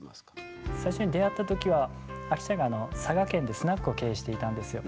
最初に出会った時はアキちゃんが佐賀県でスナックを経営していたんですよ。